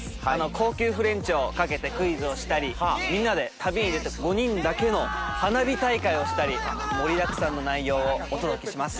高級フレンチを懸けてクイズをしたりみんなで旅に出て５人だけの花火大会をしたり盛りだくさんの内容をお届けします。